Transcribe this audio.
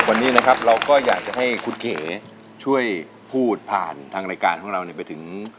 วันนี้นะครับเราก็อยากจะให้คุณเขช่วยพูดผ่านทางรายการของเราไปถึง